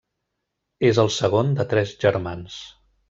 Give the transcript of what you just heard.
És el segon de tres germans.